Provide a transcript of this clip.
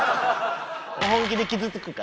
本気で傷つくから。